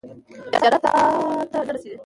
زیارت تر تاته نه رسیږي.